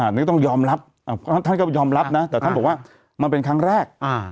นี่ก็ต้องยอมรับท่านก็ยอมรับนะแต่ท่านบอกว่ามันเป็นครั้งแรก